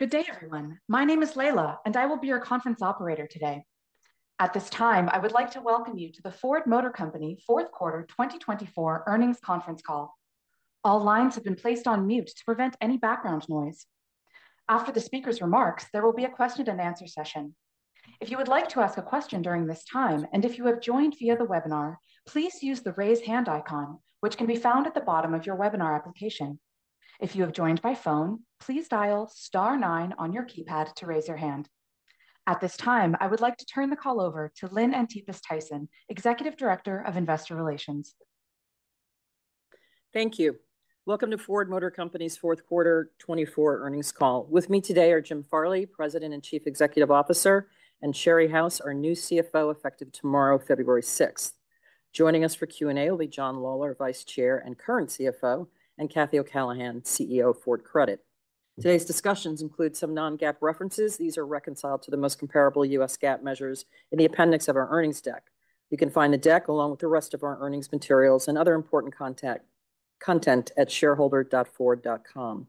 Good day, everyone. My name is Leila, and I will be your conference operator today. At this time, I would like to welcome you to the Ford Motor Company Fourth Quarter 2024 Earnings Conference Call. All lines have been placed on mute to prevent any background noise. After the speaker's remarks, there will be a question and answer session. If you would like to ask a question during this time, and if you have joined via the webinar, please use the raise hand icon, which can be found at the bottom of your webinar application. If you have joined by phone, please dial star nine on your keypad to raise your hand. At this time, I would like to turn the call over to Lynn Antipas Tyson, Executive Director of Investor Relations. Thank you. Welcome to Ford Motor Company's Fourth Quarter 2024 earnings call. With me today are Jim Farley, President and Chief Executive Officer, and Sherry House, our new CFO, effective tomorrow, February 6th. Joining us for Q&A will be John Lawler, Vice Chair and current CFO, and Cathy O'Callaghan, CEO of Ford Credit. Today's discussions include some non-GAAP references. These are reconciled to the most comparable U.S. GAAP measures in the appendix of our earnings deck. You can find the deck along with the rest of our earnings materials and other important content at shareholder.ford.com.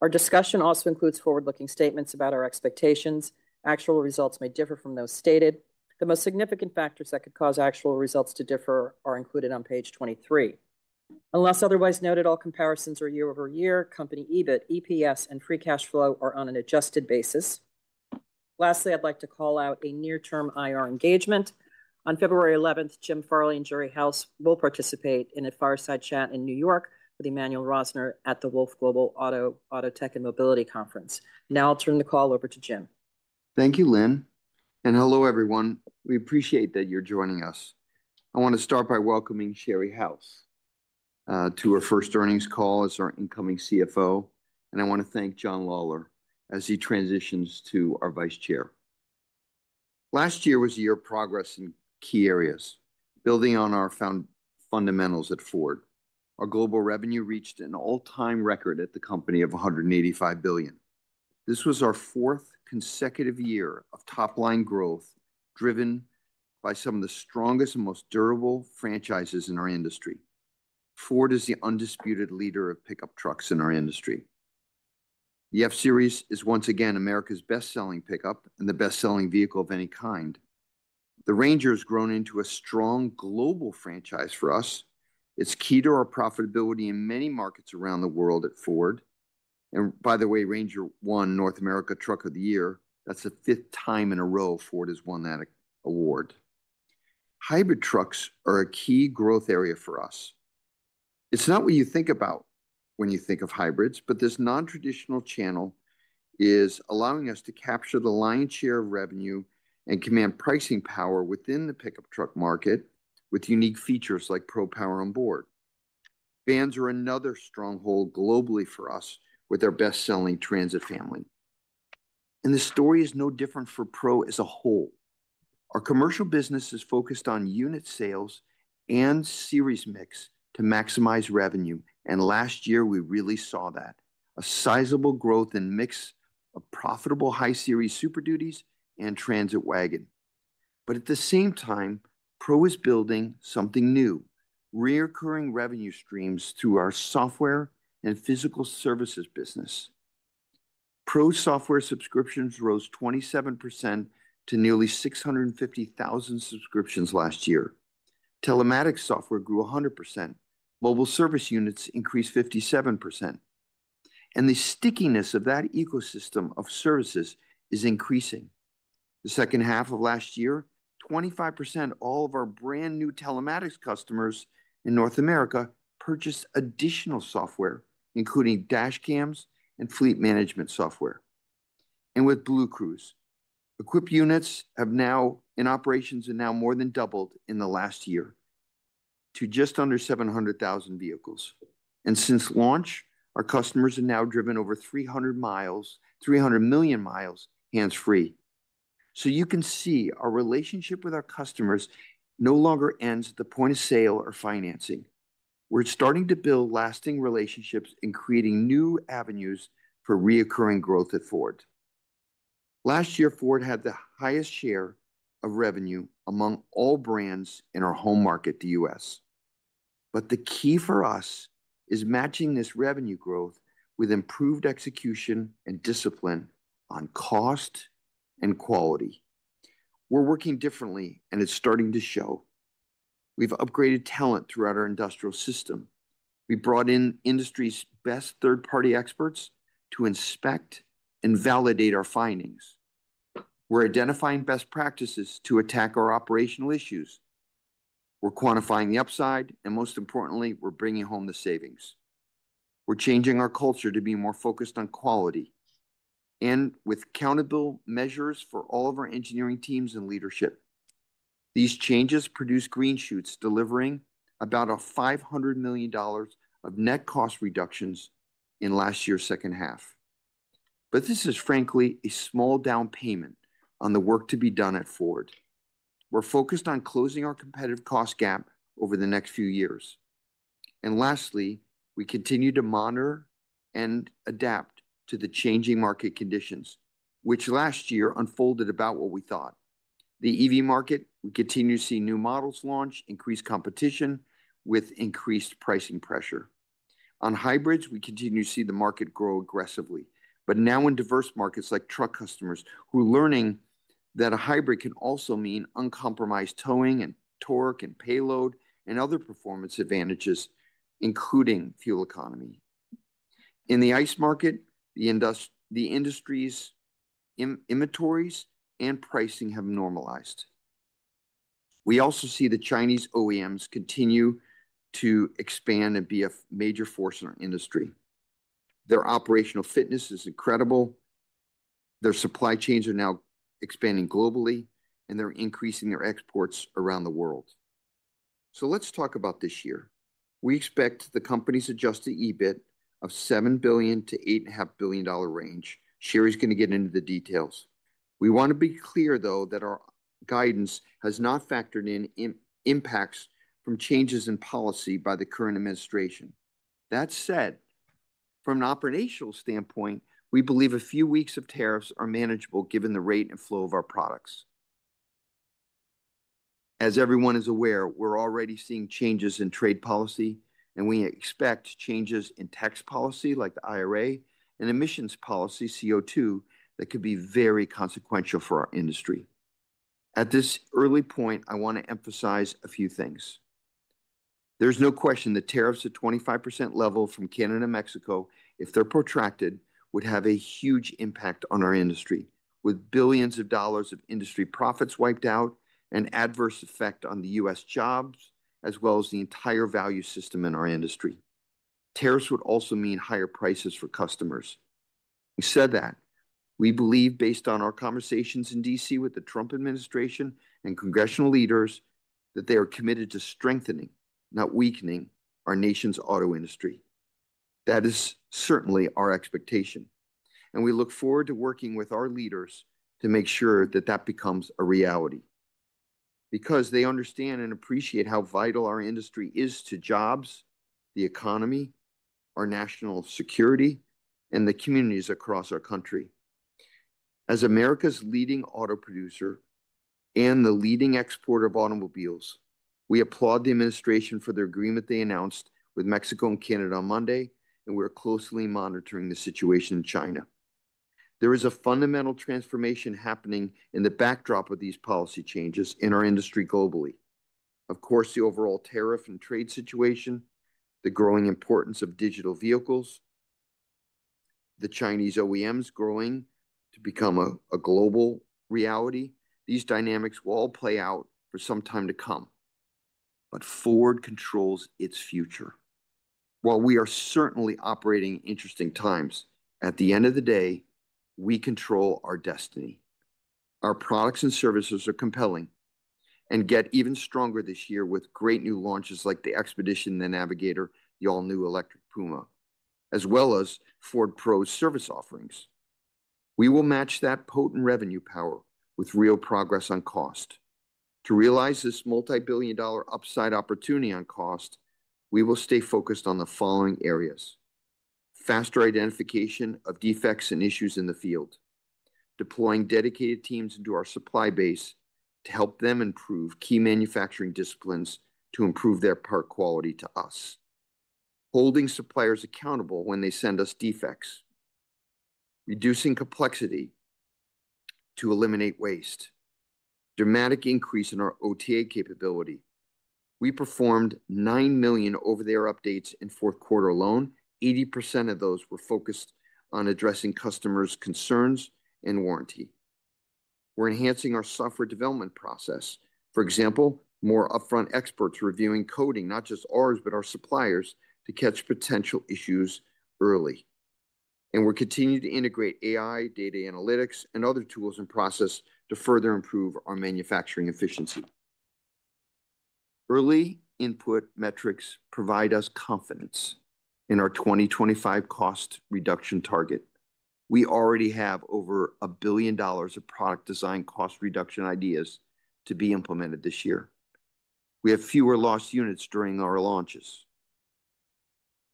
Our discussion also includes forward-looking statements about our expectations. Actual results may differ from those stated. The most significant factors that could cause actual results to differ are included on page 23. Unless otherwise noted, all comparisons are year-over-year. Company EBIT, EPS, and free cash flow are on an adjusted basis. Lastly, I'd like to call out a near-term IR engagement. On February 11th, Jim Farley and Sherry House will participate in a fireside chat in New York with Emmanuel Rosner at the Wolfe Global Auto, Auto Tech, and Mobility Conference. Now I'll turn the call over to Jim. Thank you, Lynn, and hello, everyone. We appreciate that you're joining us. I want to start by welcoming Sherry House to our first earnings call as our incoming CFO, and I want to thank John Lawler as he transitions to our Vice Chair. Last year was a year of progress in key areas, building on our sound fundamentals at Ford. Our global revenue reached an all-time record at the company of $185 billion. This was our fourth consecutive year of top-line growth driven by some of the strongest and most durable franchises in our industry. Ford is the undisputed leader of pickup trucks in our industry. The F-Series is once again America's best-selling pickup and the best-selling vehicle of any kind. The Ranger has grown into a strong global franchise for us. It's key to our profitability in many markets around the world at Ford. And by the way, Ranger won North America Truck of the Year. That's the fifth time in a row Ford has won that award. Hybrid trucks are a key growth area for us. It's not what you think about when you think of hybrids, but this non-traditional channel is allowing us to capture the lion's share of revenue and command pricing power within the pickup truck market with unique features like Pro Power Onboard. Vans are another stronghold globally for us with our best-selling Transit family. And the story is no different for Pro as a whole. Our commercial business is focused on unit sales and series mix to maximize revenue, and last year we really saw that: a sizable growth and mix of profitable high series Super Duties and Transit Wagon. But at the same time, Pro is building something new: recurring revenue streams through our software and physical services business. Pro software subscriptions rose 27% to nearly 650,000 subscriptions last year. Telematics software grew 100%. Mobile service units increased 57%. And the stickiness of that ecosystem of services is increasing. The second half of last year, 25% of all our brand new telematics customers in North America purchased additional software, including dash cams and fleet management software. And with BlueCruise, equipped units have now been in operations and now more than doubled in the last year to just under 700,000 vehicles. And since launch, our customers have now driven over 300 million miles hands-free. So you can see our relationship with our customers no longer ends at the point of sale or financing. We're starting to build lasting relationships and creating new avenues for recurring growth at Ford. Last year, Ford had the highest share of revenue among all brands in our home market, the U.S. But the key for us is matching this revenue growth with improved execution and discipline on cost and quality. We're working differently, and it's starting to show. We've upgraded talent throughout our industrial system. We brought in industry's best third-party experts to inspect and validate our findings. We're identifying best practices to attack our operational issues. We're quantifying the upside, and most importantly, we're bringing home the savings. We're changing our culture to be more focused on quality and with countable measures for all of our engineering teams and leadership. These changes produce green shoots, delivering about a $500 million of net cost reductions in last year's second half. But this is, frankly, a small down payment on the work to be done at Ford. We're focused on closing our competitive cost gap over the next few years, and lastly, we continue to monitor and adapt to the changing market conditions, which last year unfolded about what we thought. The EV market, we continue to see new models launch, increased competition with increased pricing pressure. On hybrids, we continue to see the market grow aggressively, but now in diverse markets like truck customers who are learning that a hybrid can also mean uncompromised towing and torque and payload and other performance advantages, including fuel economy. In the ICE market, the industry's inventories and pricing have normalized. We also see the Chinese OEMs continue to expand and be a major force in our industry. Their operational fitness is incredible. Their supply chains are now expanding globally, and they're increasing their exports around the world, so let's talk about this year. We expect the company's Adjusted EBIT of $7 billion-$8.5 billion range. Sherry's going to get into the details. We want to be clear, though, that our guidance has not factored in impacts from changes in policy by the current administration. That said, from an operational standpoint, we believe a few weeks of tariffs are manageable given the rate and flow of our products. As everyone is aware, we're already seeing changes in trade policy, and we expect changes in tax policy like the IRA and emissions policy, CO2, that could be very consequential for our industry. At this early point, I want to emphasize a few things. There's no question that tariffs at 25% level from Canada and Mexico, if they're protracted, would have a huge impact on our industry, with billions of dollars of industry profits wiped out and adverse effect on the U.S. jobs as well as the entire value system in our industry. Tariffs would also mean higher prices for customers. We said that. We believe, based on our conversations in D.C. with the Trump administration and congressional leaders, that they are committed to strengthening, not weakening, our nation's auto industry. That is certainly our expectation. And we look forward to working with our leaders to make sure that that becomes a reality because they understand and appreciate how vital our industry is to jobs, the economy, our national security, and the communities across our country. As America's leading auto producer and the leading exporter of automobiles, we applaud the administration for the agreement they announced with Mexico and Canada on Monday, and we're closely monitoring the situation in China. There is a fundamental transformation happening in the backdrop of these policy changes in our industry globally. Of course, the overall tariff and trade situation, the growing importance of digital vehicles, the Chinese OEMs growing to become a global reality. These dynamics will all play out for some time to come. But Ford controls its future. While we are certainly operating in interesting times, at the end of the day, we control our destiny. Our products and services are compelling and get even stronger this year with great new launches like the Expedition, the Navigator, the all-new Electric Puma, as well as Ford Pro's service offerings. We will match that potent revenue power with real progress on cost. To realize this multi-billion-dollar upside opportunity on cost, we will stay focused on the following areas: faster identification of defects and issues in the field, deploying dedicated teams into our supply base to help them improve key manufacturing disciplines to improve their part quality to us, holding suppliers accountable when they send us defects, reducing complexity to eliminate waste, and a dramatic increase in our OTA capability. We performed nine million over-the-air updates in fourth quarter alone. 80% of those were focused on addressing customers' concerns and warranty. We're enhancing our software development process. For example, more upfront experts reviewing coding, not just ours, but our suppliers, to catch potential issues early. And we're continuing to integrate AI, data analytics, and other tools and processes to further improve our manufacturing efficiency. Early input metrics provide us confidence in our 2025 cost reduction target. We already have over $1 billion of product design cost reduction ideas to be implemented this year. We have fewer lost units during our launches.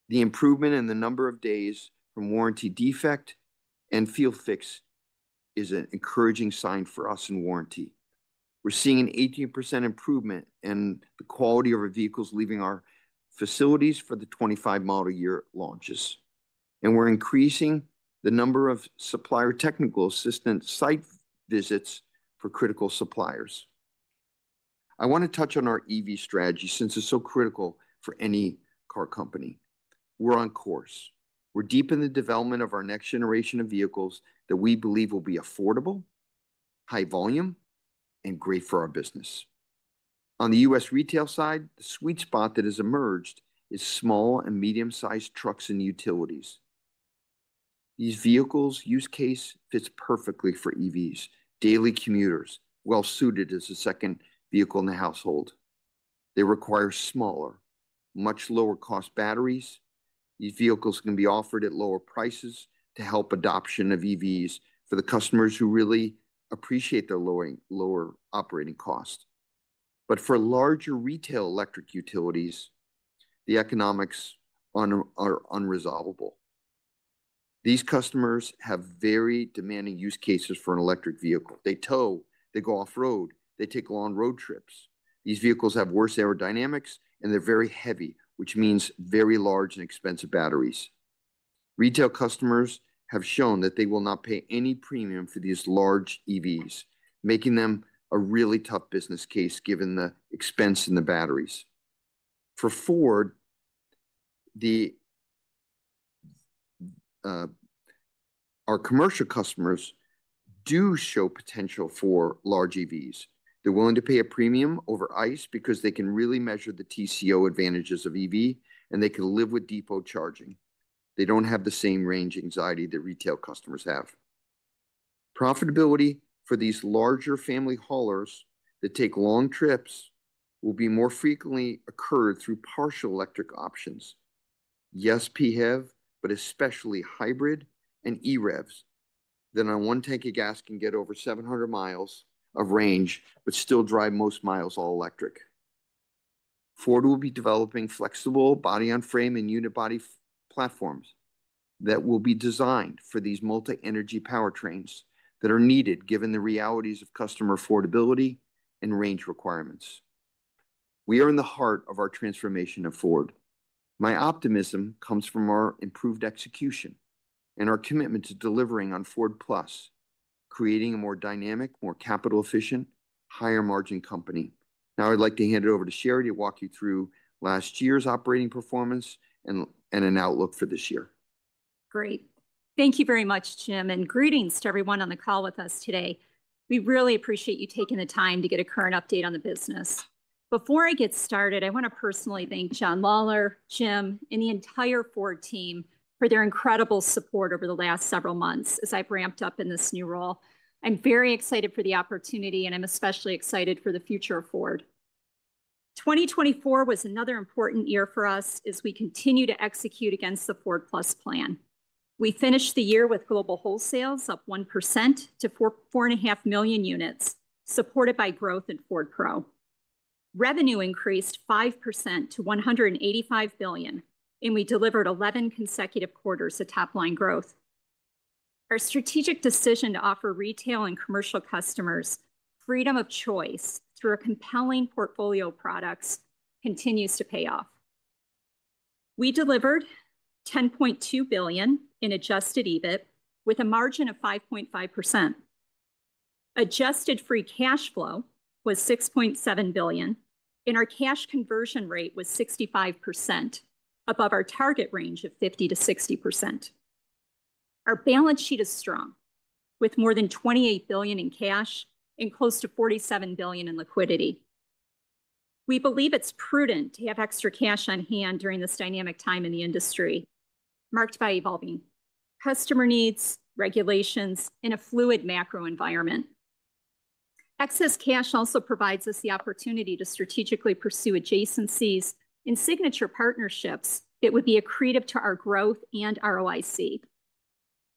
The improvement in the number of days from warranty defect and field fix is an encouraging sign for us in warranty. We're seeing an 18% improvement in the quality of our vehicles leaving our facilities for the 2025 model year launches, and we're increasing the number of supplier technical assistance site visits for critical suppliers. I want to touch on our EV strategy since it's so critical for any car company. We're on course. We're deep in the development of our next generation of vehicles that we believe will be affordable, high volume, and great for our business. On the U.S. retail side, the sweet spot that has emerged is small and medium-sized trucks and utilities. These vehicles' use case fits perfectly for EVs, daily commuters, well-suited as a second vehicle in the household. They require smaller, much lower-cost batteries. These vehicles can be offered at lower prices to help adoption of EVs for the customers who really appreciate their lower operating cost. But for larger retail electric vehicles, the economics are unfavorable. These customers have very demanding use cases for an electric vehicle. They tow, they go off-road, they take long road trips. These vehicles have worse aerodynamics, and they're very heavy, which means very large and expensive batteries. Retail customers have shown that they will not pay any premium for these large EVs, making them a really tough business case given the expense in the batteries. For Ford, our commercial customers do show potential for large EVs. They're willing to pay a premium over ICE because they can really measure the TCO advantages of EV, and they can live with depot charging. They don't have the same range anxiety that retail customers have. Profitability for these larger family haulers that take long trips will be more frequently occurred through partial electric options. Yes, PHEV, but especially hybrid and EREVs that on one tank of gas can get over 700 miles of range but still drive most miles all electric. Ford will be developing flexible body-on-frame and unibody platforms that will be designed for these multi-energy powertrains that are needed given the realities of customer affordability and range requirements. We are in the heart of our transformation at Ford. My optimism comes from our improved execution and our commitment to delivering on Ford+, creating a more dynamic, more capital-efficient, higher-margin company. Now I'd like to hand it over to Sherry to walk you through last year's operating performance and an outlook for this year. Great. Thank you very much, Jim, and greetings to everyone on the call with us today. We really appreciate you taking the time to get a current update on the business. Before I get started, I want to personally thank John Lawler, Jim, and the entire Ford team for their incredible support over the last several months as I've ramped up in this new role. I'm very excited for the opportunity, and I'm especially excited for the future of Ford. 2024 was another important year for us as we continue to execute against the Ford+ plan. We finished the year with global wholesales up 1% to 4.5 million units, supported by growth at Ford Pro. Revenue increased 5% to $185 billion, and we delivered 11 consecutive quarters of top-line growth. Our strategic decision to offer retail and commercial customers freedom of choice through our compelling portfolio products continues to pay off. We delivered $10.2 billion in Adjusted EBIT with a margin of 5.5%. Adjusted free cash flow was $6.7 billion, and our cash conversion rate was 65%, above our target range of 50%-60%. Our balance sheet is strong, with more than $28 billion in cash and close to $47 billion in liquidity. We believe it's prudent to have extra cash on hand during this dynamic time in the industry, marked by evolving customer needs, regulations, and a fluid macro environment. Excess cash also provides us the opportunity to strategically pursue adjacencies and signature partnerships that would be accretive to our growth and ROIC.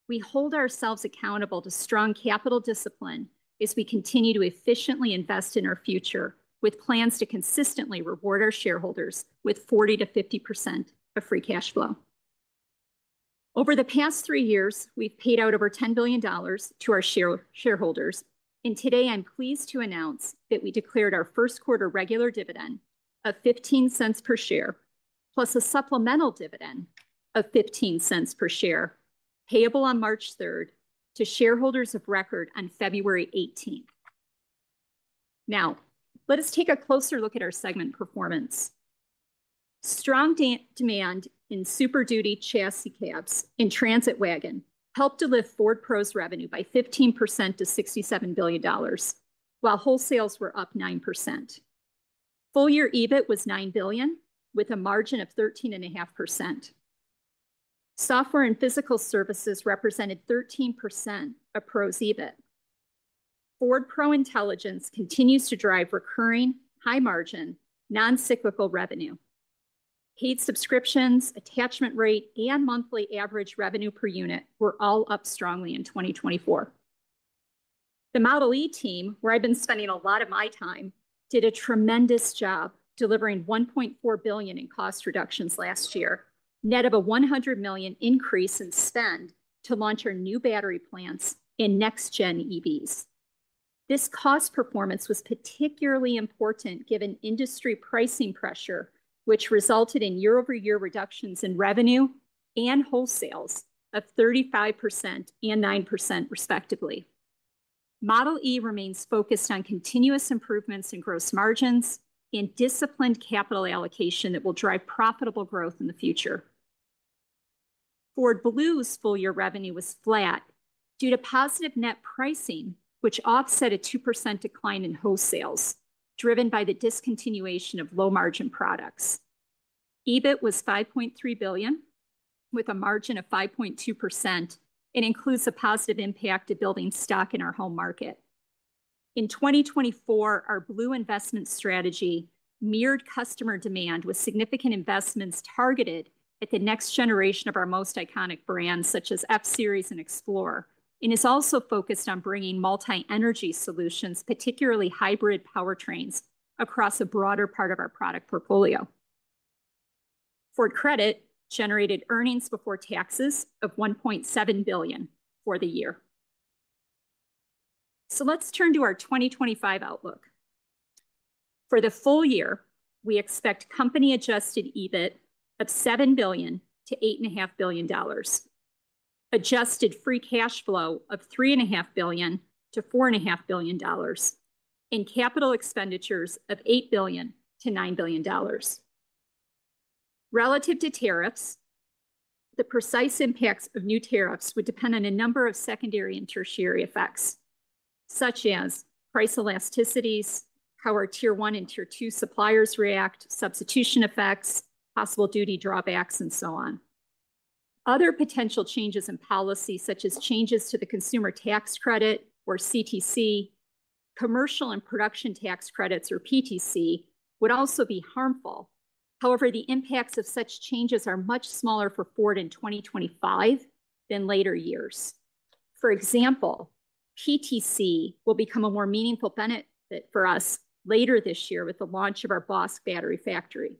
We hold ourselves accountable to strong capital discipline as we continue to efficiently invest in our future with plans to consistently reward our shareholders with 40%-50% of free cash flow. Over the past three years, we've paid out over $10 billion to our shareholders. And today, I'm pleased to announce that we declared our first quarter regular dividend of $0.15 per share, plus a supplemental dividend of $0.15 per share, payable on March 3rd to shareholders of record on February 18th. Now, let us take a closer look at our segment performance. Strong demand in Super Duty chassis cabs and Transit Wagon helped to lift Ford Pro's revenue by 15% to $67 billion, while wholesales were up 9%. Full year EBIT was $9 billion, with a margin of 13.5%. Software and physical services represented 13% of Pro's EBIT. Ford Pro Intelligence continues to drive recurring, high-margin, non-cyclical revenue. Paid subscriptions, attachment rate, and monthly average revenue per unit were all up strongly in 2024. The Model e team, where I've been spending a lot of my time, did a tremendous job delivering $1.4 billion in cost reductions last year, net of a $100 million increase in spend to launch our new battery plants and next-gen EVs. This cost performance was particularly important given industry pricing pressure, which resulted in year-over-year reductions in revenue and wholesales of 35% and 9%, respectively. Model e remains focused on continuous improvements in gross margins and disciplined capital allocation that will drive profitable growth in the future. Ford Blue's full year revenue was flat due to positive net pricing, which offset a 2% decline in wholesales driven by the discontinuation of low-margin products. EBIT was $5.3 billion, with a margin of 5.2%, and includes a positive impact of building stock in our home market. In 2024, our Blue investment strategy mirrored customer demand with significant investments targeted at the next generation of our most iconic brands, such as F-Series and Explorer, and is also focused on bringing multi-energy solutions, particularly hybrid powertrains, across a broader part of our product portfolio. Ford Credit generated earnings before taxes of $1.7 billion for the year. Let's turn to our 2025 outlook. For the full year, we expect company-Adjusted EBIT of $7 billion-$8.5 billion, adjusted free cash flow of $3.5 billion-$4.5 billion, and capital expenditures of $8 billion-$9 billion. Relative to tariffs, the precise impacts of new tariffs would depend on a number of secondary and tertiary effects, such as price elasticities, how our tier one and tier two suppliers react, substitution effects, possible duty drawbacks, and so on. Other potential changes in policy, such as changes to the consumer tax credit or CTC, commercial and production tax credits or PTC, would also be harmful. However, the impacts of such changes are much smaller for Ford in 2025 than later years. For example, PTC will become a more meaningful benefit for us later this year with the launch of our Bosch battery factory.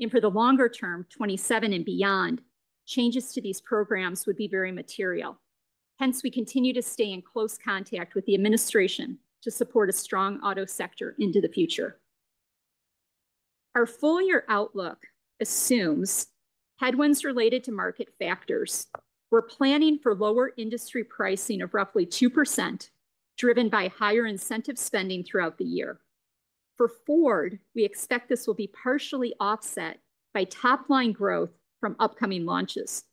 And for the longer term, 2027 and beyond, changes to these programs would be very material. Hence, we continue to stay in close contact with the administration to support a strong auto sector into the future. Our full year outlook assumes headwinds related to market factors. We're planning for lower industry pricing of roughly 2%, driven by higher incentive spending throughout the year. For Ford, we expect this will be partially offset by top-line growth from upcoming launches.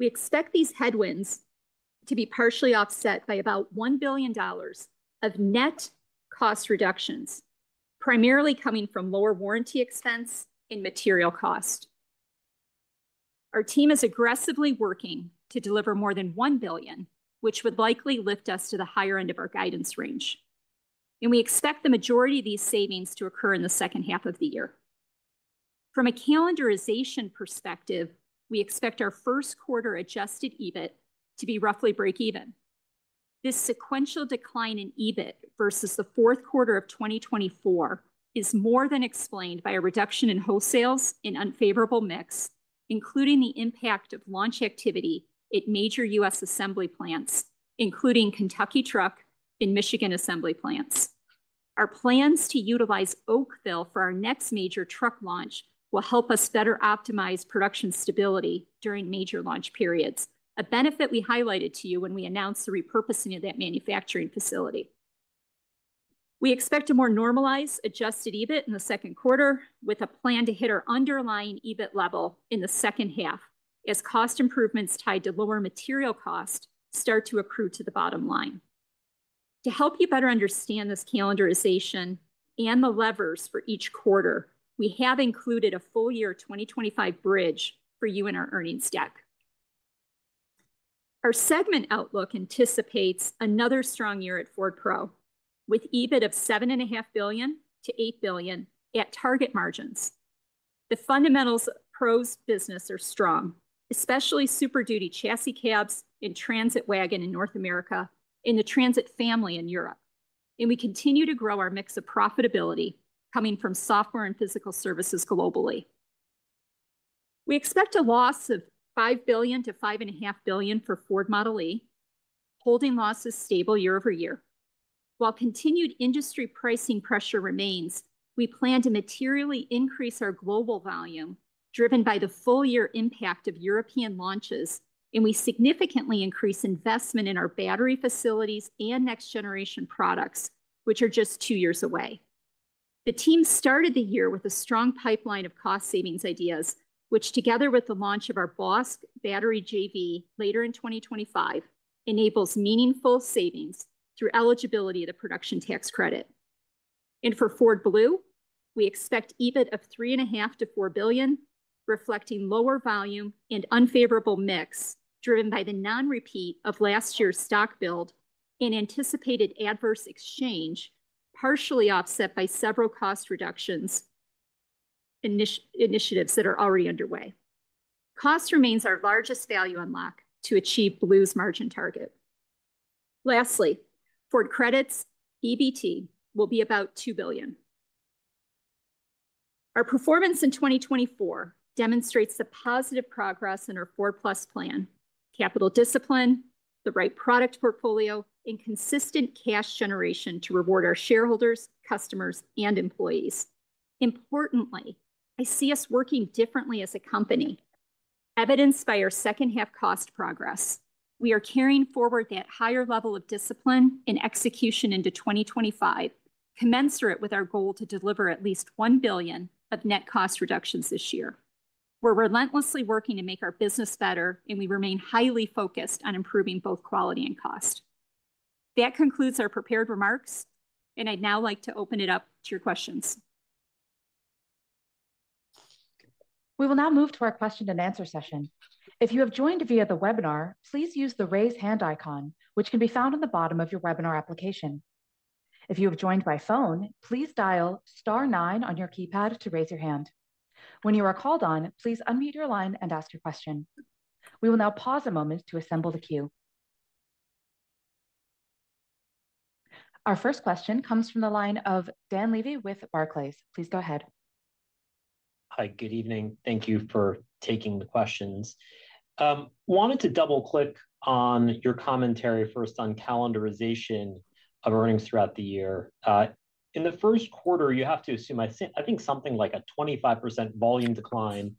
We expect these headwinds to be partially offset by about $1 billion of net cost reductions, primarily coming from lower warranty expense and material cost. Our team is aggressively working to deliver more than $1 billion, which would likely lift us to the higher end of our guidance range, and we expect the majority of these savings to occur in the second half of the year. From a calendarization perspective, we expect our first quarter Adjusted EBIT to be roughly breakeven. This sequential decline in EBIT versus the fourth quarter of 2024 is more than explained by a reduction in wholesales and unfavorable mix, including the impact of launch activity at major U.S. assembly plants, including Kentucky Truck Plant and Michigan Assembly Plant. Our plans to utilize Oakville for our next major truck launch will help us better optimize production stability during major launch periods, a benefit we highlighted to you when we announced the repurposing of that manufacturing facility. We expect a more normalized Adjusted EBIT in the second quarter, with a plan to hit our underlying EBIT level in the second half as cost improvements tied to lower material cost start to accrue to the bottom line. To help you better understand this calendarization and the levers for each quarter, we have included a full year 2025 bridge for you in our earnings deck. Our segment outlook anticipates another strong year at Ford Pro, with EBIT of $7.5 billion-$8 billion at target margins. The fundamentals of Ford Pro's business are strong, especially Super Duty chassis cabs and Transit Wagon in North America and the Transit family in Europe. We continue to grow our mix of profitability coming from software and physical services globally. We expect a loss of $5 billion-$5.5 billion for Ford Model e, holding losses stable year-over-year. While continued industry pricing pressure remains, we plan to materially increase our global volume, driven by the full year impact of European launches, and we significantly increase investment in our battery facilities and next-generation products, which are just two years away. The team started the year with a strong pipeline of cost savings ideas, which, together with the launch of our Bosch battery JV later in 2025, enables meaningful savings through eligibility of the production tax credit. And for Ford Blue, we expect EBIT of $3.5 billion-$4 billion, reflecting lower volume and unfavorable mix driven by the non-repeat of last year's stock build and anticipated adverse exchange, partially offset by several cost reductions initiatives that are already underway. Cost remains our largest value unlock to achieve Blue's margin target. Lastly, Ford Credit's EBIT will be about $2 billion. Our performance in 2024 demonstrates the positive progress in our Ford+ plan, capital discipline, the right product portfolio, and consistent cash generation to reward our shareholders, customers, and employees. Importantly, I see us working differently as a company, evidenced by our second-half cost progress. We are carrying forward that higher level of discipline and execution into 2025, commensurate with our goal to deliver at least $1 billion of net cost reductions this year. We're relentlessly working to make our business better, and we remain highly focused on improving both quality and cost. That concludes our prepared remarks, and I'd now like to open it up to your questions. We will now move to our question and answer session. If you have joined via the webinar, please use the raise hand icon, which can be found on the bottom of your webinar application. If you have joined by phone, please dial star nine on your keypad to raise your hand. When you are called on, please unmute your line and ask your question. We will now pause a moment to assemble the queue. Our first question comes from the line of Dan Levy with Barclays. Please go ahead. Hi, good evening. Thank you for taking the questions. Wanted to double-click on your commentary first on calendarization of earnings throughout the year. In the first quarter, you have to assume, I think, something like a 25% volume decline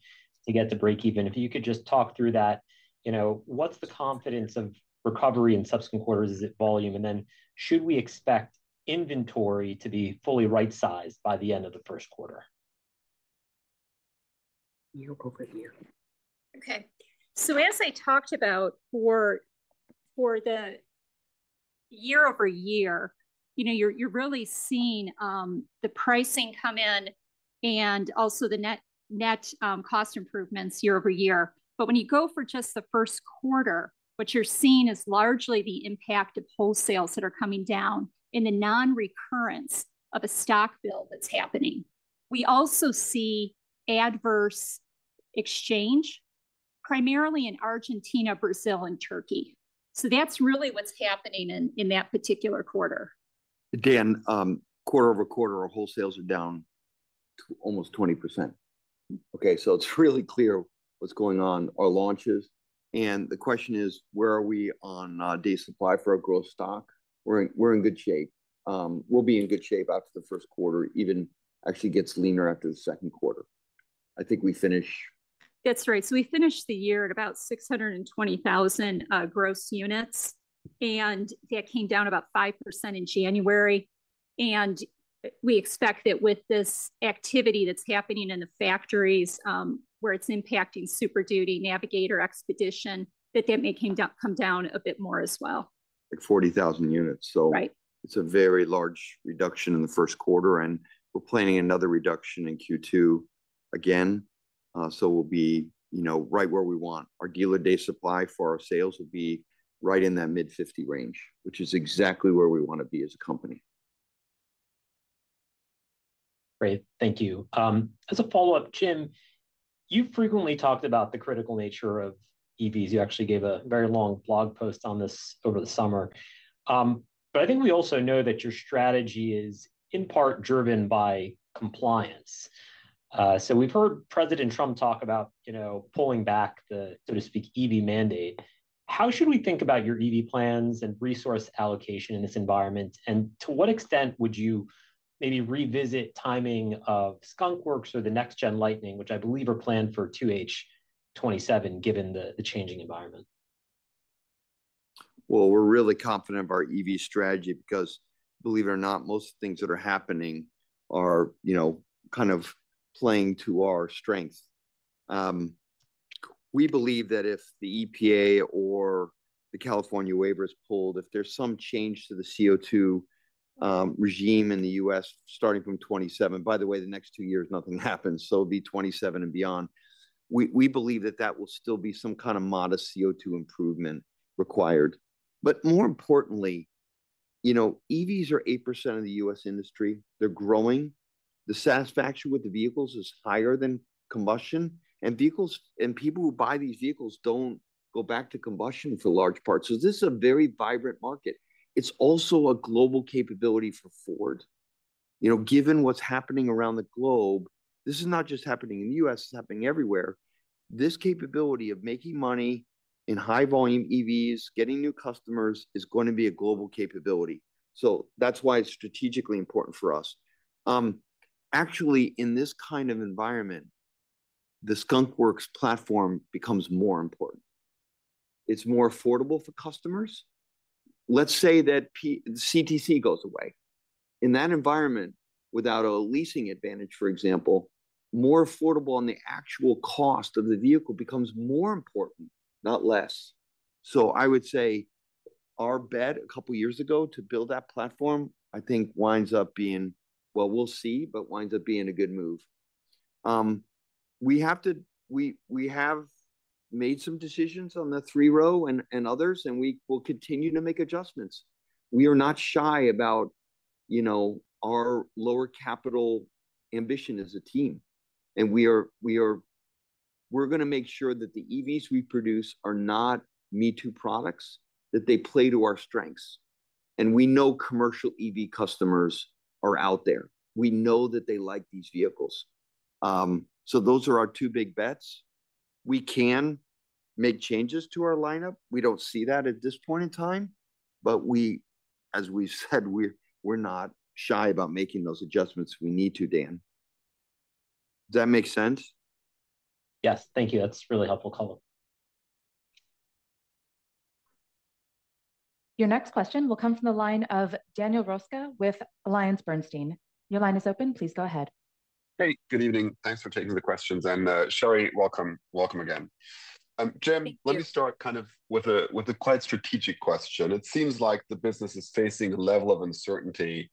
to get to breakeven. If you could just talk through that, what's the confidence of recovery in subsequent quarters? Is it volume? And then should we expect inventory to be fully right-sized by the end of the first quarter? Year-over-year. Okay. So as I talked about for the year-over-year, you're really seeing the pricing come in and also the net cost improvements year-over-year. But when you go for just the first quarter, what you're seeing is largely the impact of wholesales that are coming down and the non-recurrence of a stock build that's happening. We also see adverse exchange, primarily in Argentina, Brazil, and Turkey. So that's really what's happening in that particular quarter. Again, quarter-over-quarter, our wholesales are down to almost 20%. Okay. It's really clear what's going on, our launches. The question is, where are we on day supply for our growth stock? We're in good shape. We'll be in good shape after the first quarter, even actually gets leaner after the second quarter. I think we finish. That's right. So we finished the year at about 620,000 gross units, and that came down about 5% in January. And we expect that with this activity that's happening in the factories, where it's impacting Super Duty, Navigator, Expedition, that that may come down a bit more as well. Like 40,000 units. So it's a very large reduction in the first quarter, and we're planning another reduction in Q2 again. So we'll be right where we want. Our dealer day supply for our sales will be right in that mid-50 range, which is exactly where we want to be as a company. Great. Thank you. As a follow-up, Jim, you frequently talked about the critical nature of EVs. You actually gave a very long blog post on this over the summer. But I think we also know that your strategy is in part driven by compliance. So we've heard President Trump talk about pulling back the, so to speak, EV mandate. How should we think about your EV plans and resource allocation in this environment? And to what extent would you maybe revisit timing of Skunk Works or the next-gen Lightning, which I believe are planned for 2H27, given the changing environment? Well, we're really confident of our EV strategy because, believe it or not, most of the things that are happening are kind of playing to our strengths. We believe that if the EPA or the California waiver is pulled, if there's some change to the CO2 regime in the U.S. Starting from 2027, by the way, the next two years, nothing happens. So it'll be 2027 and beyond. We believe that that will still be some kind of modest CO2 improvement required. But more importantly, EVs are 8% of the U.S. industry. They're growing. The satisfaction with the vehicles is higher than combustion. And people who buy these vehicles don't go back to combustion for large parts. So this is a very vibrant market. It's also a global capability for Ford. Given what's happening around the globe, this is not just happening in the U.S. It's happening everywhere. This capability of making money in high-volume EVs, getting new customers, is going to be a global capability. So that's why it's strategically important for us. Actually, in this kind of environment, the skunkworks platform becomes more important. It's more affordable for customers. Let's say that CTC goes away. In that environment, without a leasing advantage, for example, more affordable on the actual cost of the vehicle becomes more important, not less. So I would say our bet a couple of years ago to build that platform, I think, winds up being, well, we'll see, but winds up being a good move. We have made some decisions on the three-row and others, and we will continue to make adjustments. We are not shy about our lower capital ambition as a team. And we are going to make sure that the EVs we produce are not me-too products, that they play to our strengths. And we know commercial EV customers are out there. We know that they like these vehicles. So those are our two big bets. We can make changes to our lineup. We don't see that at this point in time. But as we said, we're not shy about making those adjustments we need to, Dan. Does that make sense? Yes. Thank you. That's really helpful color. Your next question will come from the line of Daniel Roeska with AllianceBernstein. Your line is open. Please go ahead. Hey, good evening. Thanks for taking the questions. And Sherry, welcome again. Jim, let me start kind of with a quite strategic question. It seems like the business is facing a level of uncertainty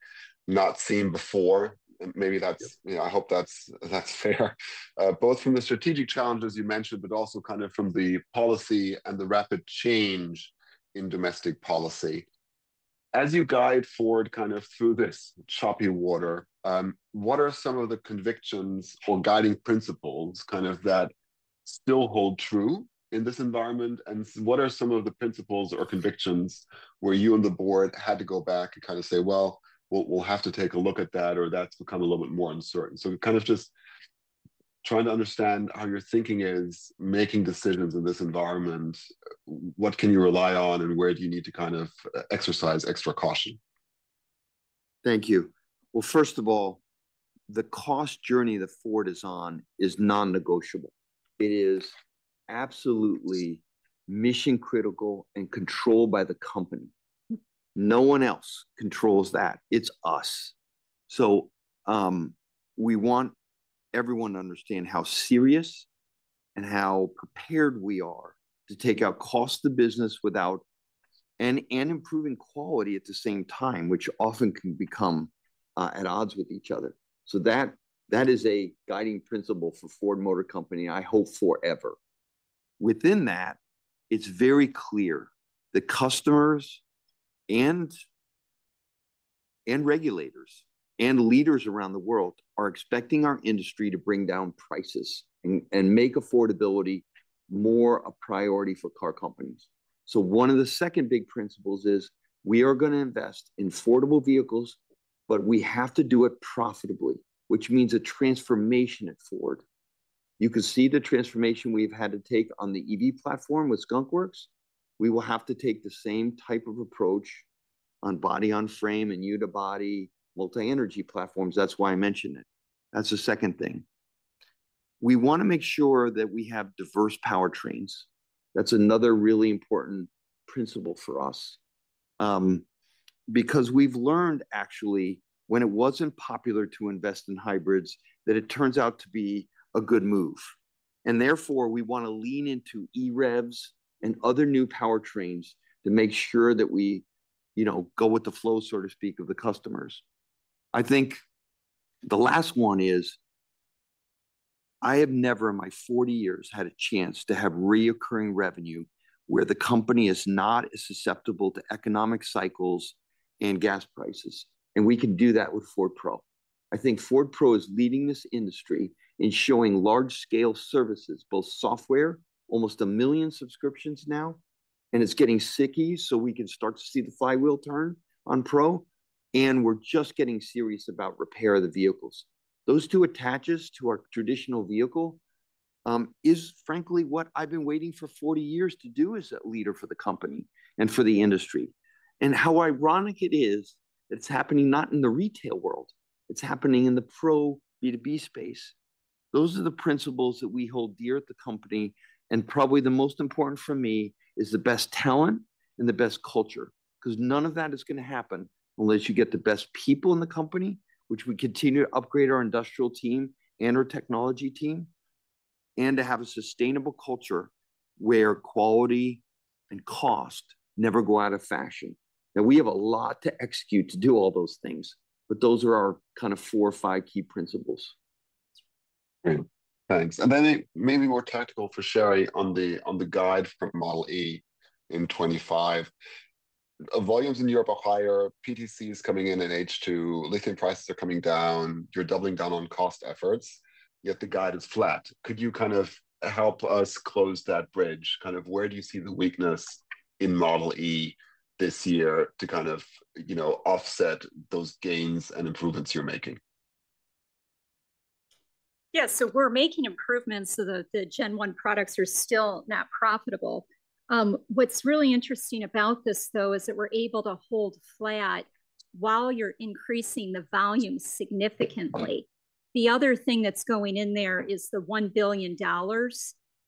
not seen before. Maybe I hope that's fair, both from the strategic challenges you mentioned, but also kind of from the policy and the rapid change in domestic policy. As you guide Ford kind of through this choppy water, what are some of the convictions or guiding principles kind of that still hold true in this environment? And what are some of the principles or convictions where you and the board had to go back and kind of say, "Well, we'll have to take a look at that," or, "That's become a little bit more uncertain"? So kind of just trying to understand how your thinking is making decisions in this environment, what can you rely on, and where do you need to kind of exercise extra caution? Thank you. Well, first of all, the cost journey that Ford is on is non-negotiable. It is absolutely mission-critical and controlled by the company. No one else controls that. It's us. So we want everyone to understand how serious and how prepared we are to take our cost of business without and improving quality at the same time, which often can become at odds with each other. So that is a guiding principle for Ford Motor Company, I hope forever. Within that, it's very clear that customers and regulators and leaders around the world are expecting our industry to bring down prices and make affordability more a priority for car companies. So one of the second big principles is we are going to invest in affordable vehicles, but we have to do it profitably, which means a transformation at Ford. You can see the transformation we've had to take on the EV platform with skunkworks. We will have to take the same type of approach on body-on-frame and unibody multi-energy platforms. That's why I mentioned it. That's the second thing. We want to make sure that we have diverse powertrains. That's another really important principle for us because we've learned, actually, when it wasn't popular to invest in hybrids, that it turns out to be a good move. And therefore, we want to lean into EREVs and other new powertrains to make sure that we go with the flow, so to speak, of the customers. I think the last one is I have never in my 40 years had a chance to have recurring revenue where the company is not as susceptible to economic cycles and gas prices. And we can do that with Ford Pro. I think Ford Pro is leading this industry in showing large-scale services, both software, almost a million subscriptions now, and it's getting sticky so we can start to see the flywheel turn on Pro. And we're just getting serious about repair of the vehicles. Those two attaches to our traditional vehicle is, frankly, what I've been waiting for 40 years to do as a leader for the company and for the industry. How ironic it is that it's happening not in the retail world. It's happening in the Pro B2B space. Those are the principles that we hold dear at the company. Probably the most important for me is the best talent and the best culture because none of that is going to happen unless you get the best people in the company, which would continue to upgrade our industrial team and our technology team, and to have a sustainable culture where quality and cost never go out of fashion. Now, we have a lot to execute to do all those things, but those are our kind of four or five key principles. Thanks. And then maybe more tactical for Sherry on the guide for Model e in 2025. Volumes in Europe are higher. PTC is coming in at H2. Lithium prices are coming down. You're doubling down on cost efforts, yet the guide is flat. Could you kind of help us close that bridge? Kind of where do you see the weakness in Model e this year to kind of offset those gains and improvements you're making? Yeah. So we're making improvements so that the Gen 1 products are still not profitable. What's really interesting about this, though, is that we're able to hold flat while you're increasing the volume significantly. The other thing that's going in there is the $1 billion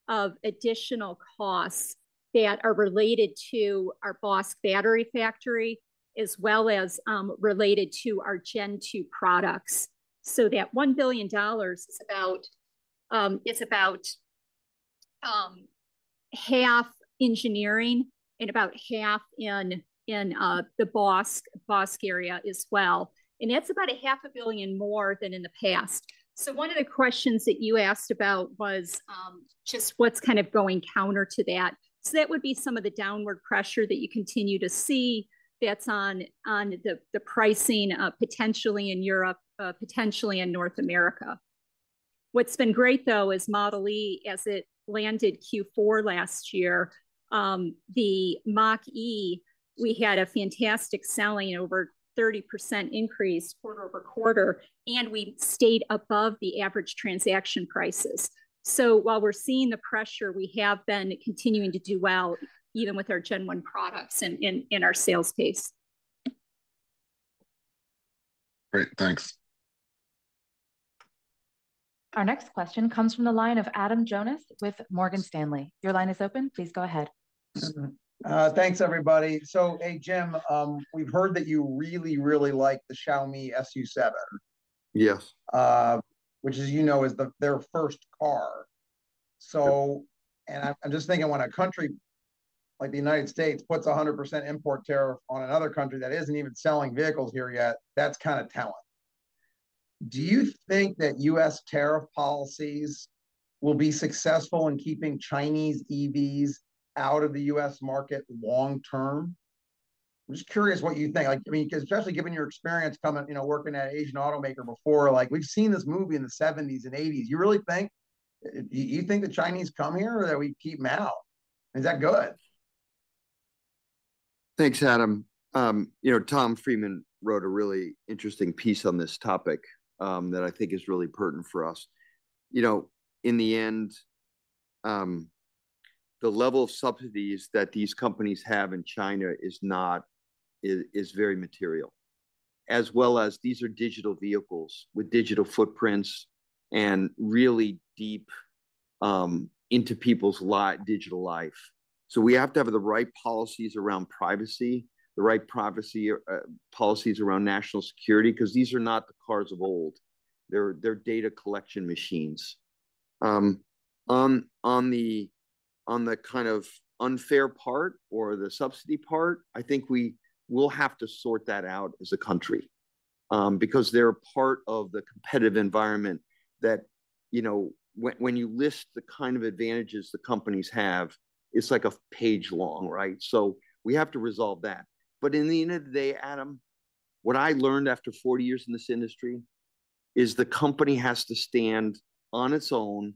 of additional costs that are related to our Bosch battery factory, as well as related to our Gen 2 products. So that $1 billion is about half engineering and about half in the Bosch area as well. And that's about $500 million more than in the past. So one of the questions that you asked about was just what's kind of going counter to that. So that would be some of the downward pressure that you continue to see that's on the pricing potentially in Europe, potentially in North America. What's been great, though, is Model e, as it landed Q4 last year, the Mach-E, we had a fantastic selling, over 30% increase quarter-over-quarter, and we stayed above the average transaction prices. So while we're seeing the pressure, we have been continuing to do well even with our Gen 1 products in our sales case. Great. Thanks. Our next question comes from the line of Adam Jonas with Morgan Stanley. Your line is open. Please go ahead. Thanks, everybody. So, hey, Jim, we've heard that you really, really like the Xiaomi SU7, which, as you know, is their first car. And I'm just thinking when a country like the United States puts a 100% import tariff on another country that isn't even selling vehicles here yet, that's kind of telling. Do you think that U.S. tariff policies will be successful in keeping Chinese EVs out of the U.S. market long-term? I'm just curious what you think. I mean, especially given your experience working at an Asian automaker before, we've seen this movie in the '70s and '80s. You think the Chinese come here or that we keep them out? Is that good? Thanks, Adam. Tom Friedman wrote a really interesting piece on this topic that I think is really pertinent for us. In the end, the level of subsidies that these companies have in China is very material, as well as these are digital vehicles with digital footprints and really deep into people's digital life. So we have to have the right policies around privacy, the right policies around national security because these are not the cars of old. They're data collection machines. On the kind of unfair part or the subsidy part, I think we will have to sort that out as a country because they're a part of the competitive environment that when you list the kind of advantages the companies have, it's like a page long, right? So we have to resolve that. But in the end of the day, Adam, what I learned after 40 years in this industry is the company has to stand on its own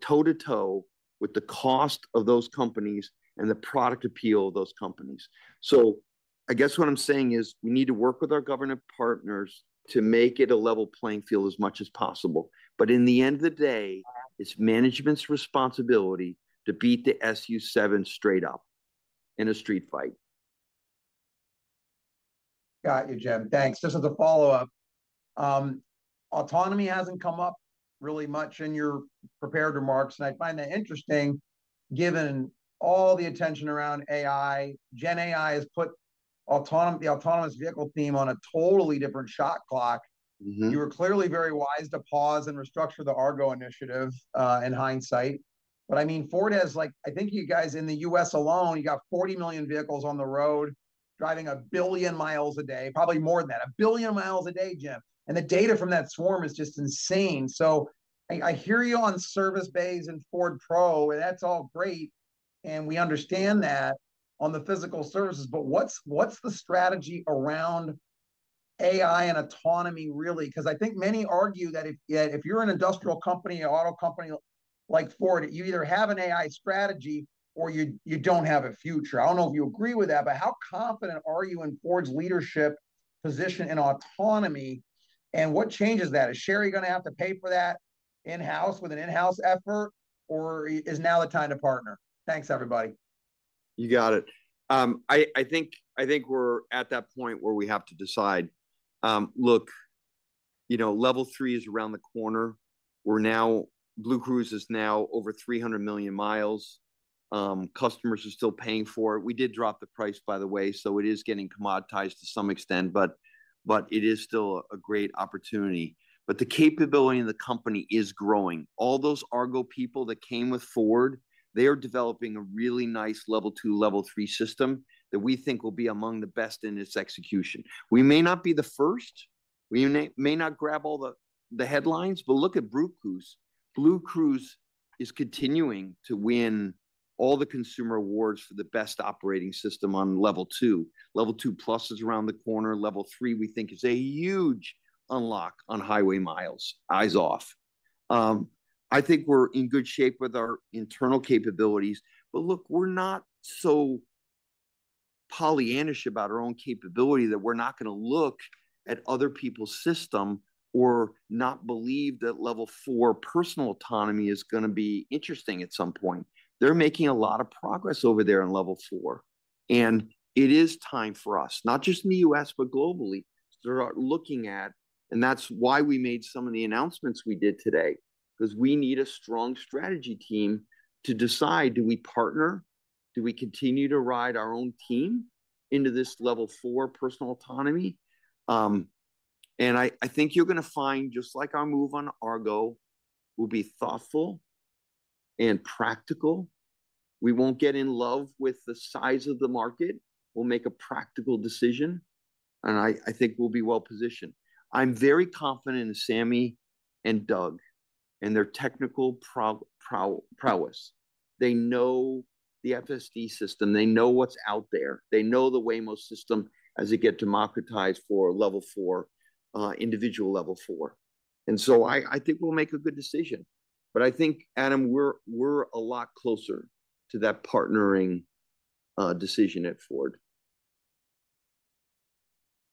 toe-to-toe with the cost of those companies and the product appeal of those companies. So I guess what I'm saying is we need to work with our government partners to make it a level playing field as much as possible. But in the end of the day, it's management's responsibility to beat the SU7 straight up in a street fight. Got you, Jim. Thanks. Just as a follow-up, autonomy hasn't come up really much in your prepared remarks. And I find that interesting given all the attention around AI. GenAI has put the autonomous vehicle theme on a totally different shot clock. You were clearly very wise to pause and restructure the Argo initiative in hindsight. But I mean, Ford has, I think you guys in the U.S. alone, you got 40 million vehicles on the road driving a billion miles a day, probably more than that, a billion miles a day, Jim. And the data from that swarm is just insane. So I hear you on service bays and Ford Pro, and that's all great. And we understand that on the physical services. But what's the strategy around AI and autonomy really? Because I think many argue that if you're an industrial company, an auto company like Ford, you either have an AI strategy or you don't have a future. I don't know if you agree with that, but how confident are you in Ford's leadership position in autonomy? And what changes that? Is Sherry going to have to pay for that in-house with an in-house effort, or is now the time to partner? Thanks, everybody. You got it. I think we're at that point where we have to decide. Look, Level 3 is around the corner. BlueCruise is now over 300 million miles. Customers are still paying for it. We did drop the price, by the way, so it is getting commoditized to some extent, but it is still a great opportunity. But the capability in the company is growing. All those Argo people that came with Ford, they are developing a really nice Level 2, Level 3 system that we think will be among the best in its execution. We may not be the first. We may not grab all the headlines, but look at BlueCruise. BlueCruise is continuing to win all the consumer awards for the best operating system on Level 2. Level 2 plus is around the corner. Level 3, we think, is a huge unlock on highway miles. Eyes off. I think we're in good shape with our internal capabilities. But look, we're not so pollyannish about our own capability that we're not going to look at other people's system or not believe that Level 4 personal autonomy is going to be interesting at some point. They're making a lot of progress over there in Level 4. And it is time for us, not just in the U.S., but globally, to start looking at. And that's why we made some of the announcements we did today, because we need a strong strategy team to decide, do we partner? Do we continue to ride our own team into this Level 4 personal autonomy? And I think you're going to find, just like our move on Argo, we'll be thoughtful and practical. We won't get in love with the size of the market. We'll make a practical decision. And I think we'll be well positioned. I'm very confident in Sammy and Doug and their technical prowess. They know the FSD system. They know what's out there. They know the Waymo system as it gets democratized for individual level four. And so I think we'll make a good decision. But I think, Adam, we're a lot closer to that partnering decision at Ford.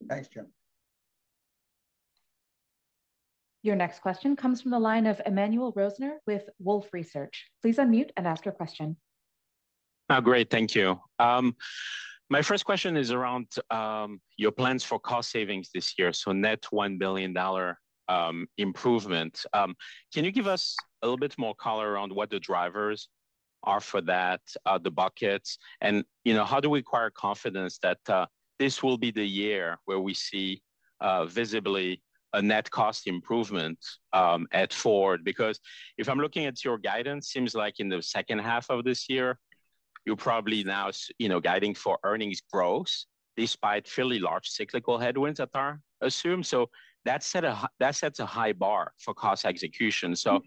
Thanks, Jim. Your next question comes from the line of Emmanuel Rosner with Wolfe Research. Please unmute and ask your question. Great. Thank you. My first question is around your plans for cost savings this year, so net $1 billion improvement. Can you give us a little bit more color around what the drivers are for that, the buckets, and how do we acquire confidence that this will be the year where we see visibly a net cost improvement at Ford? Because if I'm looking at your guidance, it seems like in the second half of this year, you're probably now guiding for earnings growth despite fairly large cyclical headwinds that are assumed. So that sets a high bar for cost execution. So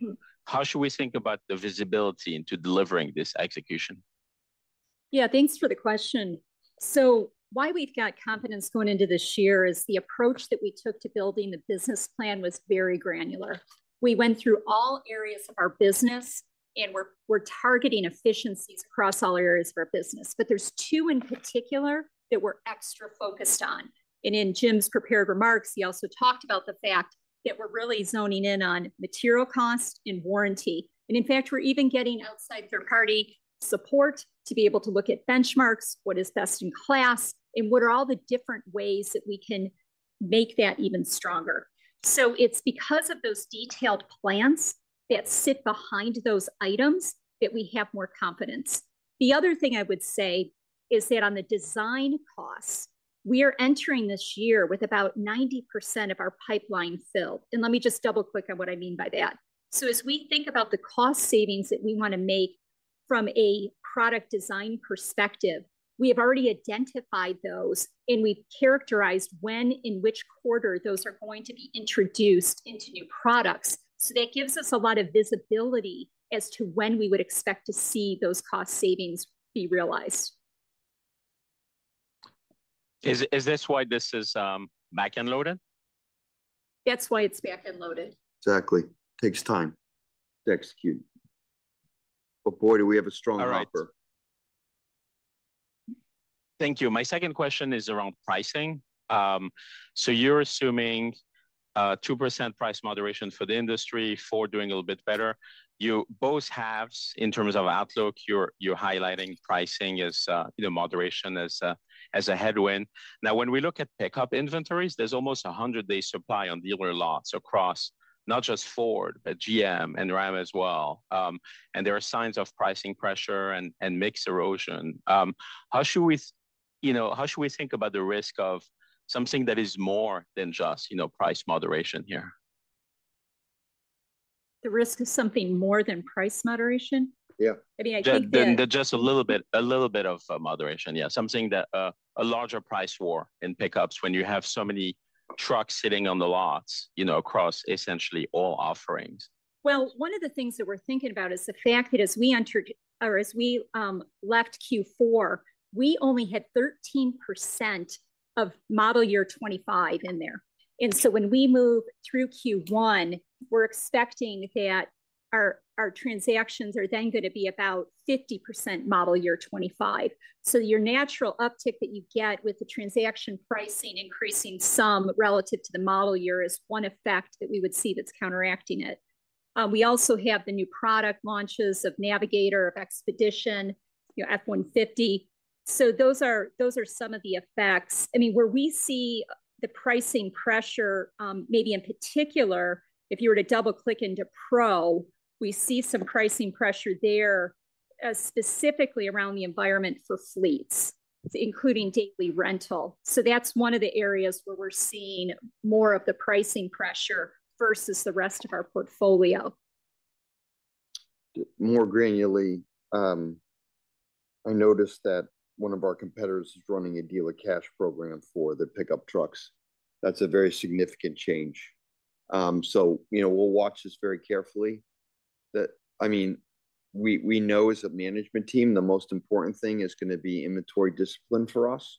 how should we think about the visibility into delivering this execution? Yeah, thanks for the question. So why we've got confidence going into this year is the approach that we took to building the business plan was very granular. We went through all areas of our business, and we're targeting efficiencies across all areas of our business. But there's two in particular that we're extra focused on. In Jim's prepared remarks, he also talked about the fact that we're really zeroing in on material cost and warranty. In fact, we're even getting outside third-party support to be able to look at benchmarks, what is best in class, and what are all the different ways that we can make that even stronger. So it's because of those detailed plans that sit behind those items that we have more confidence. The other thing I would say is that on the design costs, we are entering this year with about 90% of our pipeline filled. Let me just double-click on what I mean by that. So as we think about the cost savings that we want to make from a product design perspective, we have already identified those, and we've characterized when in which quarter those are going to be introduced into new products. So that gives us a lot of visibility as to when we would expect to see those cost savings be realized. Is this why this is backend loaded? That's why it's backend loaded. Exactly. Takes time to execute. But boy, do we have a strong offer. Thank you. My second question is around pricing. So you're assuming 2% price moderation for the industry, Ford doing a little bit better. You both have, in terms of outlook, you're highlighting pricing as moderation as a headwind. Now, when we look at pickup inventories, there's almost a 100-day supply on dealer lots across not just Ford, but GM and Ram as well. And there are signs of pricing pressure and mixed erosion. How should we think about the risk of something that is more than just price moderation here? The risk of something more than price moderation? Yeah. I mean, I think that. Just a little bit of moderation, yeah. Something that a larger price war in pickups when you have so many trucks sitting on the lots across essentially all offerings. Well, one of the things that we're thinking about is the fact that as we entered or as we left Q4, we only had 13% of model year 2025 in there. And so when we move through Q1, we're expecting that our transactions are then going to be about 50% model year 2025. So your natural uptick that you get with the transaction pricing increasing some relative to the model year is one effect that we would see that's counteracting it. We also have the new product launches of Navigator, of Expedition, F-150. So those are some of the effects. I mean, where we see the pricing pressure, maybe in particular, if you were to double-click into Pro, we see some pricing pressure there specifically around the environment for fleets, including daily rental. So that's one of the areas where we're seeing more of the pricing pressure versus the rest of our portfolio. More granularly, I noticed that one of our competitors is running a dealer cash program for the pickup trucks. That's a very significant change. So we'll watch this very carefully. I mean, we know as a management team, the most important thing is going to be inventory discipline for us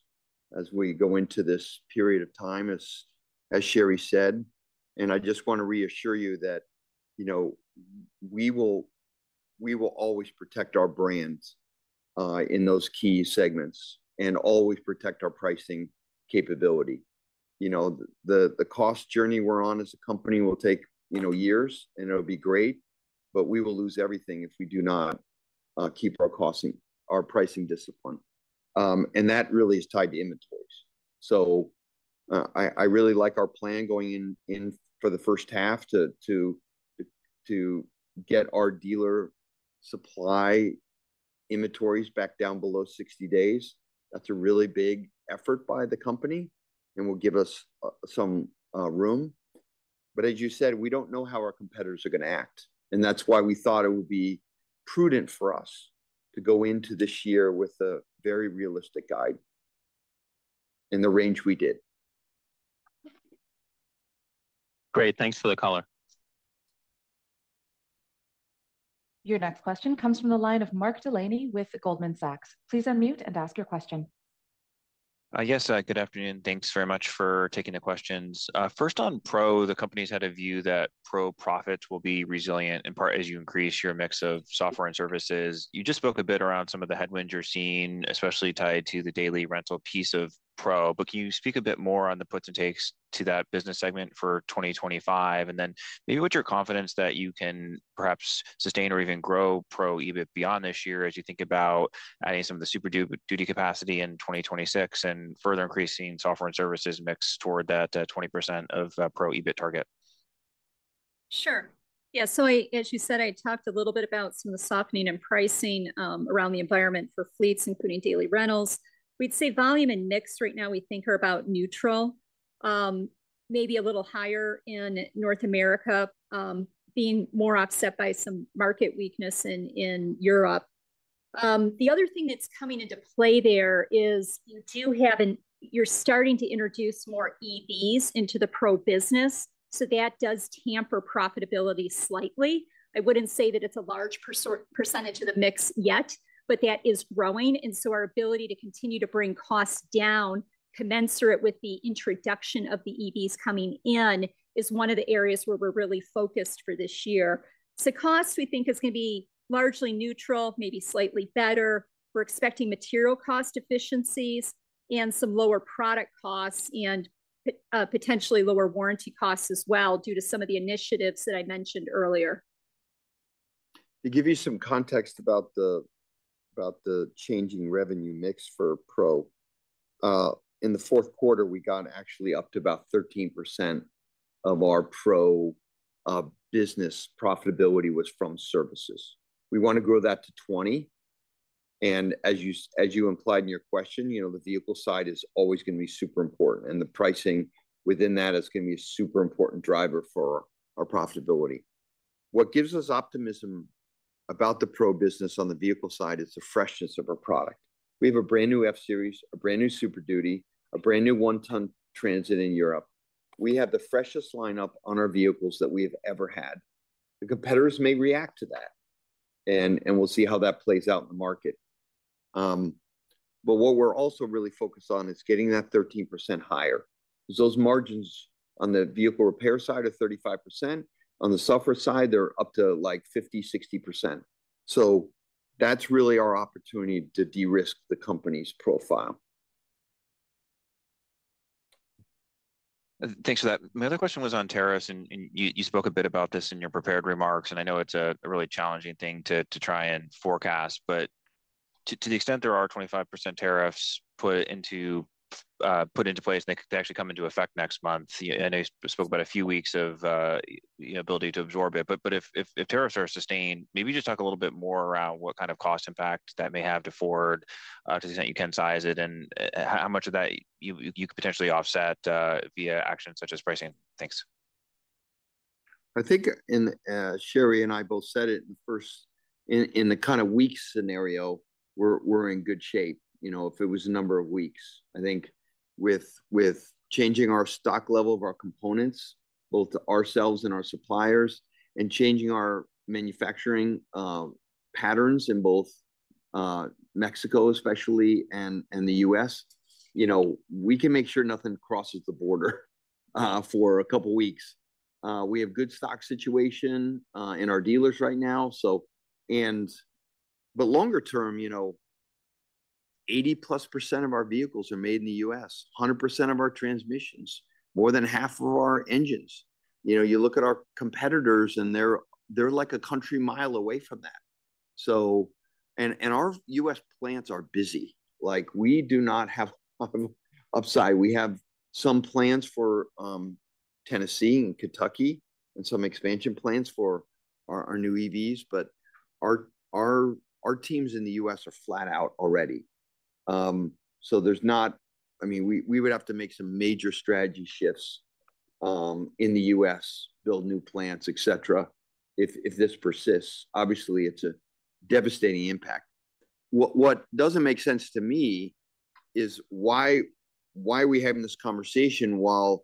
as we go into this period of time, as Sherry said. And I just want to reassure you that we will always protect our brands in those key segments and always protect our pricing capability. The cost journey we're on as a company will take years, and it'll be great, but we will lose everything if we do not keep our pricing discipline. That really is tied to inventories. So I really like our plan going in for the first half to get our dealer supply inventories back down below 60 days. That's a really big effort by the company, and it will give us some room. But as you said, we don't know how our competitors are going to act. That's why we thought it would be prudent for us to go into this year with a very realistic guide in the range we did. Great. Thanks for the color. Your next question comes from the line of Mark Delaney with Goldman Sachs. Please unmute and ask your question. Yes, good afternoon. Thanks very much for taking the questions. First, on Pro, the company's had a view that Pro profits will be resilient in part as you increase your mix of software and services. You just spoke a bit around some of the headwinds you're seeing, especially tied to the daily rental piece of Pro. But can you speak a bit more on the puts and takes to that business segment for 2025? And then maybe what's your confidence that you can perhaps sustain or even grow Pro EBIT beyond this year as you think about adding some of the Super Duty capacity in 2026 and further increasing software and services mix toward that 20% of Pro EBIT target? Sure. Yeah. So as you said, I talked a little bit about some of the softening in pricing around the environment for fleets, including daily rentals. We'd say volume and mix right now, we think, are about neutral, maybe a little higher in North America, being more offset by some market weakness in Europe. The other thing that's coming into play there is you do have, and you're starting to introduce more EVs into the Pro business. So that does tamper profitability slightly. I wouldn't say that it's a large percentage of the mix yet, but that is growing. And so our ability to continue to bring costs down commensurate with the introduction of the EVs coming in is one of the areas where we're really focused for this year. So cost, we think, is going to be largely neutral, maybe slightly better. We're expecting material cost efficiencies and some lower product costs and potentially lower warranty costs as well due to some of the initiatives that I mentioned earlier. To give you some context about the changing revenue mix for Pro, in the fourth quarter, we got actually up to about 13% of our Pro business profitability was from services. We want to grow that to 20%. And as you implied in your question, the vehicle side is always going to be super important. And the pricing within that is going to be a super important driver for our profitability. What gives us optimism about the Pro business on the vehicle side is the freshness of our product. We have a brand new F-Series, a brand new Super Duty, a brand new one-ton Transit in Europe. We have the freshest lineup on our vehicles that we have ever had. The competitors may react to that, and we'll see how that plays out in the market. But what we're also really focused on is getting that 13% higher. Those margins on the vehicle repair side are 35%. On the software side, they're up to like 50%-60%. So that's really our opportunity to de-risk the company's profile. Thanks for that. My other question was on tariffs, and you spoke a bit about this in your prepared remarks, and I know it's a really challenging thing to try and forecast, but to the extent there are 25% tariffs put into place, they could actually come into effect next month. I know you spoke about a few weeks of ability to absorb it, but if tariffs are sustained, maybe you just talk a little bit more around what kind of cost impact that may have to Ford to the extent you can size it and how much of that you could potentially offset via actions such as pricing. Thanks. I think Sherry and I both said it in the kind of week scenario, we're in good shape. If it was a number of weeks, I think with changing our stock level of our components, both ourselves and our suppliers, and changing our manufacturing patterns in both Mexico, especially, and the U.S., we can make sure nothing crosses the border for a couple of weeks. We have good stock situation in our dealers right now, but longer term, 80+% of our vehicles are made in the U.S., 100% of our transmissions, more than half of our engines. You look at our competitors, and they're like a country mile away from that, and our U.S. plants are busy. We do not have upside. We have some plans for Tennessee and Kentucky and some expansion plans for our new EVs. But our teams in the U.S. are flat out already. So I mean, we would have to make some major strategy shifts in the U.S., build new plants, etc., if this persists. Obviously, it's a devastating impact. What doesn't make sense to me is why are we having this conversation while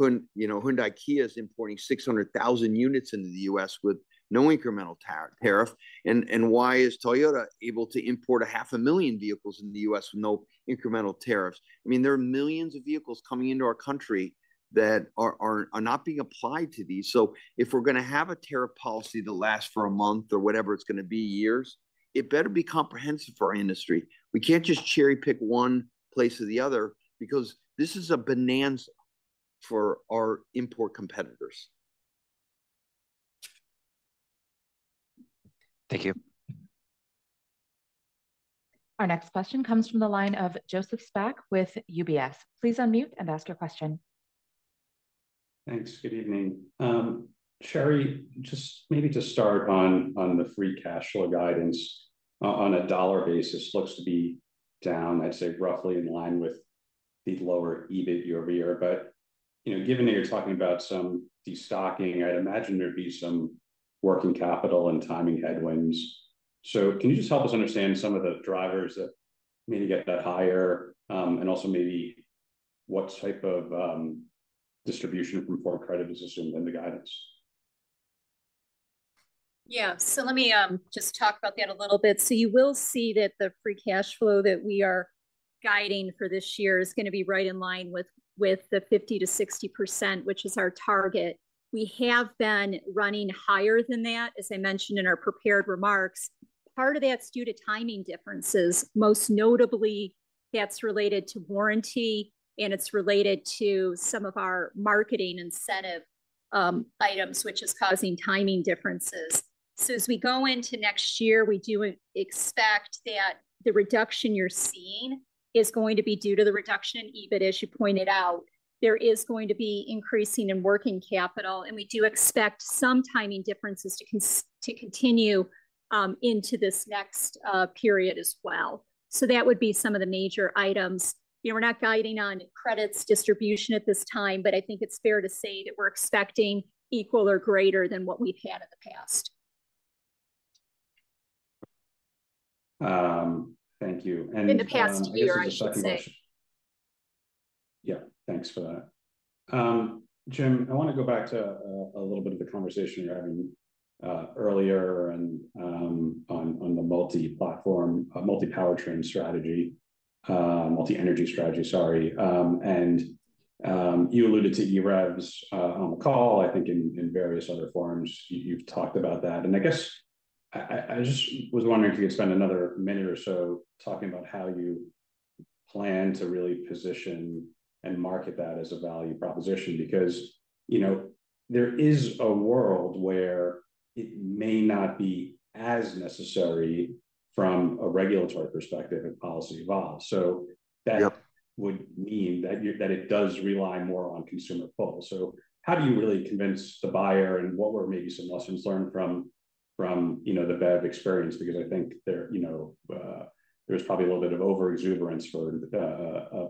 Hyundai Kia is importing 600,000 units into the U.S. with no incremental tariff? And why is Toyota able to import 500,000 vehicles in the U.S. with no incremental tariffs? I mean, there are millions of vehicles coming into our country that are not being applied to these. So if we're going to have a tariff policy that lasts for a month or whatever it's going to be years, it better be comprehensive for our industry. We can't just cherry-pick one place or the other because this is a bonanza for our import competitors. Thank you. Our next question comes from the line of Joseph Spak with UBS. Please unmute and ask your question. Thanks. Good evening. Sherry, just maybe to start on the free cash flow guidance, on a dollar basis, looks to be down. I'd say, roughly in line with the lower EBIT year-over-year. But given that you're talking about some destocking, I'd imagine there'd be some working capital and timing headwinds. So can you just help us understand some of the drivers that maybe get that higher and also maybe what type of distribution from Ford Credit is assumed in the guidance? Yeah. So let me just talk about that a little bit. So you will see that the free cash flow that we are guiding for this year is going to be right in line with the 50%-60%, which is our target. We have been running higher than that, as I mentioned in our prepared remarks. Part of that's due to timing differences. Most notably, that's related to warranty, and it's related to some of our marketing incentive items, which is causing timing differences. So as we go into next year, we do expect that the reduction you're seeing is going to be due to the reduction in EBIT, as you pointed out. There is going to be increasing in working capital, and we do expect some timing differences to continue into this next period as well. So that would be some of the major items. We're not guiding on credits distribution at this time, but I think it's fair to say that we're expecting equal or greater than what we've had in the past. Thank you. In the past year, I should say. Yeah. Thanks for that. Jim, I want to go back to a little bit of the conversation you're having earlier on the multi-powertrain strategy, multi-energy strategy, sorry. And you alluded to EREVs on the call, I think, in various other forms. You've talked about that. And I guess I just was wondering if you could spend another minute or so talking about how you plan to really position and market that as a value proposition because there is a world where it may not be as necessary from a regulatory perspective if policy evolves. So that would mean that it does rely more on consumer pull. So how do you really convince the buyer and what were maybe some lessons learned from the bad experience? Because I think there's probably a little bit of overexuberance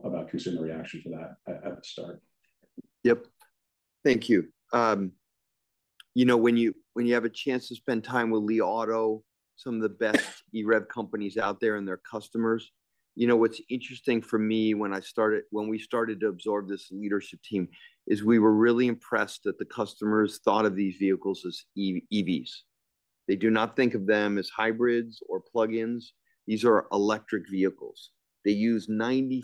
about consumer reaction to that at the start. Yep. Thank you. When you have a chance to spend time with Li Auto, some of the best EREV companies out there and their customers, what's interesting for me when we started to absorb this leadership team is we were really impressed that the customers thought of these vehicles as EVs. They do not think of them as hybrids or plug-ins. These are electric vehicles. They use 95%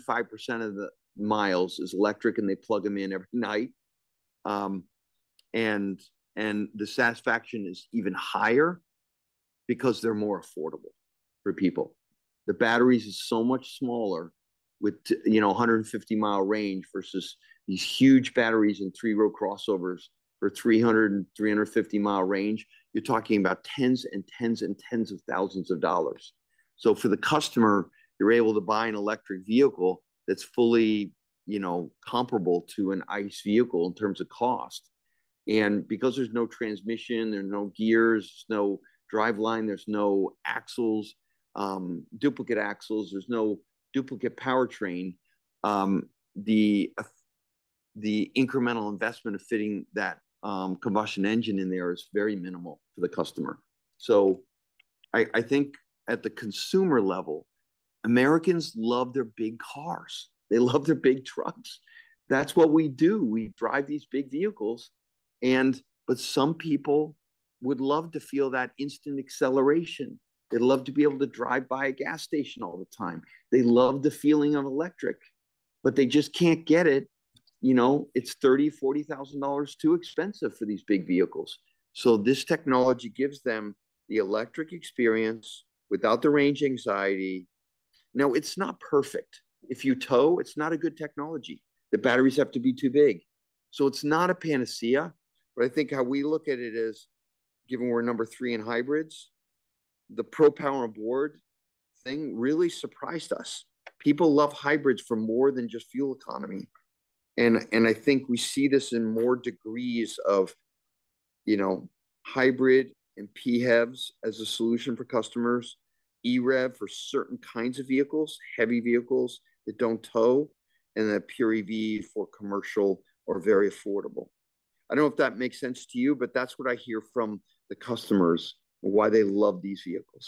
of the miles as electric, and they plug them in every night. And the satisfaction is even higher because they're more affordable for people. The batteries are so much smaller with 150-mile range versus these huge batteries and three-row crossovers for 300 and 350-mile range. You're talking about tens and tens and tens of thousands of dollars. So for the customer, they're able to buy an electric vehicle that's fully comparable to an ICE vehicle in terms of cost. And because there's no transmission, there are no gears, no driveline, there's no duplicate axles, there's no duplicate powertrain, the incremental investment of fitting that combustion engine in there is very minimal for the customer. So I think at the consumer level, Americans love their big cars. They love their big trucks. That's what we do. We drive these big vehicles. But some people would love to feel that instant acceleration. They'd love to be able to drive by a gas station all the time. They love the feeling of electric, but they just can't get it. It's $30,000-$40,000 too expensive for these big vehicles. So this technology gives them the electric experience without the range anxiety. Now, it's not perfect. If you tow, it's not a good technology. The batteries have to be too big. So it's not a panacea. But I think how we look at it is, given we're number three in hybrids, the Pro Power Onboard thing really surprised us. People love hybrids for more than just fuel economy. And I think we see this in more degrees of hybrid and PHEVs as a solution for customers, EREV for certain kinds of vehicles, heavy vehicles that don't tow, and the pure EV for commercial or very affordable. I don't know if that makes sense to you, but that's what I hear from the customers, why they love these vehicles.